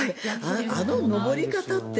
あの登り方って。